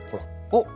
おっ！